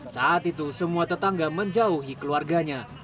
saat itu semua tetangga menjauhi keluarganya